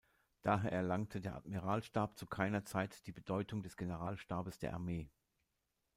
Daher erlangte der Admiralstab zu keiner Zeit die Bedeutung des Generalstabes der Armee.